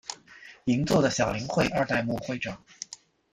银座的小林会二代目会长。